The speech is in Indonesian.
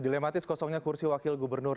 dilematis kosongnya kursi wakil gubernur